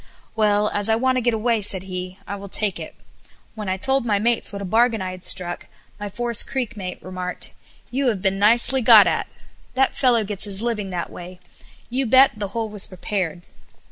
"Well, as I want to get away," said he, "I will take it." When I told my mates what a bargain I had struck, my Forest Creek mate remarked, "You have been nicely got at! That fellow gets his living that way. You bet, the hole was prepared."